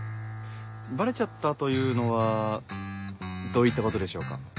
「バレちゃった」というのはどういったことでしょうか？